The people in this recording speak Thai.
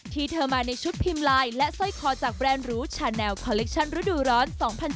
เธอมาในชุดพิมพ์ไลน์และสร้อยคอจากแบรนด์หรูชาแนลคอลเลคชั่นฤดูร้อน๒๐๑๙